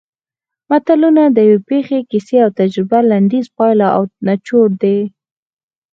متلونه د یوې پېښې کیسې او تجربې لنډیز پایله او نچوړ دی